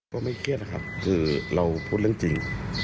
ก็ไม่เครียดนะครับคือเราพูดเรื่องจริง